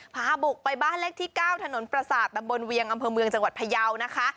พาบุกไปบ้านเลขที่๙ถนนประสาทตำบลเวียงอำเภอเมืองจังหวัดพยาวนะคะ